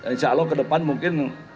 insya allah ke depan mungkin